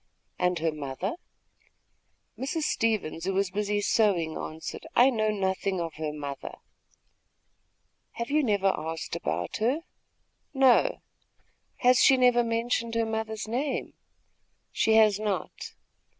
"And her mother?" Mrs. Stevens, who was busy sewing, answered: "I know nothing of her mother." "Have you never asked about her?" "No." "Has she never mentioned her mother's name?" "She has not."